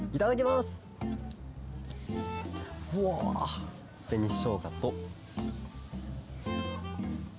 べにしょうがと。